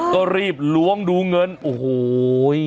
ก็รีบล้วงดูเงินโอ้โห